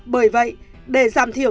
bởi vậy để giảm thiểu